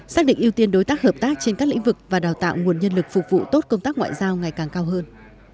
xác định ưu tiên đối tác hợp tác trên các lĩnh vực và đào tạo nguồn nhân lực phục vụ tốt công tác ngoại giao ngày càng cao hơn